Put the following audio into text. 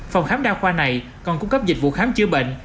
phòng khám đa khoa này còn cung cấp dịch vụ khám chữa bệnh